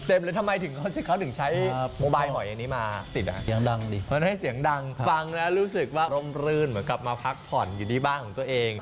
ร่มลื่นเหมือนกับมาพักผ่อนอยู่ในบ้านตัวเอง